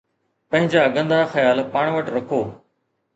پنهنجا گندا خيال پاڻ وٽ رکو